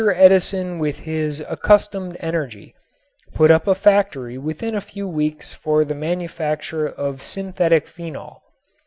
Edison with his accustomed energy put up a factory within a few weeks for the manufacture of synthetic phenol.